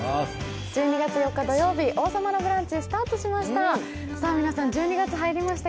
１２月４日土曜日、「王様のブランチ」スタートしました。